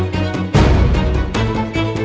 โปรโมชั่นที่แย่ล่ะ